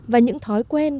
và những thói quen